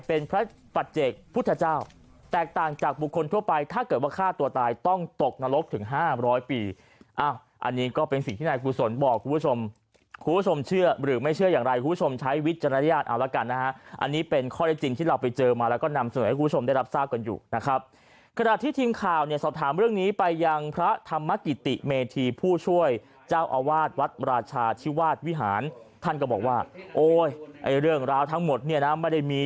คุณผู้ชมคุณผู้ชมเชื่อหรือไม่เชื่ออย่างไรคุณผู้ชมใช้วิจารณญาณอาวะกันนะฮะอันนี้เป็นข้อได้จริงที่เราไปเจอมาแล้วก็นำเสนอให้คุณผู้ชมได้รับทราบกันอยู่นะครับขณะที่ทีมข่าวเนี่ยสอบถามเรื่องนี้ไปยังพระธรรมกิติเมธีผู้ช่วยเจ้าอาวาสวัดราชาชิวาสวิหารท่านก็บอกว่าโอ้ยเรื่องราวทั้งหมด